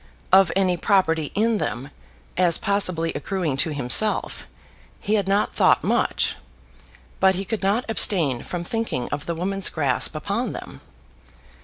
Of any property in them, as possibly accruing to himself, he had not thought much; but he could not abstain from thinking of the woman's grasp upon them.